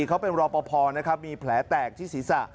เขาเป็นรอปภนะครับมีแผลแตกที่ศีรษะ